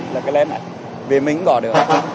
là cái lén này vì mình có được